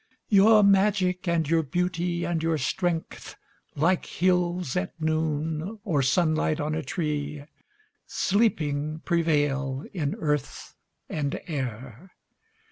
... Your magic and your beauty and your strength, Like hills at noon or sunlight on a tree, Sleeping prevail in earth and air.